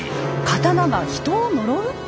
刀が人を呪う？